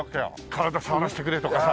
「体触らせてくれ」とかさ。